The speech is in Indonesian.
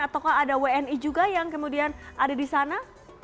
ataukah ada wni juga yang kemudian ada di sana